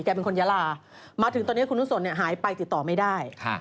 แกเป็นคนยะลามาถึงตอนนี้คุณนุศลหายไปติดต่อไม่ได้